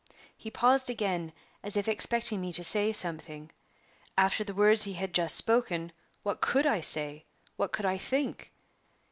He paused again, as if expecting me to say something. After the words he had just spoken, what could I say? what could I think?